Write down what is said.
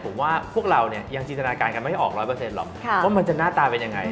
ผมว่าพวกเราเนี่ยยังจินตนาการกันไม่ออก๑๐๐หรอกว่ามันจะหน้าตาเป็นยังไง